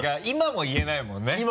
今も言えないもんね？